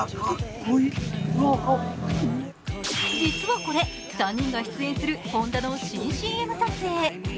実はこれ、３人が出演するＨｏｎｄａの新ＣＭ撮影。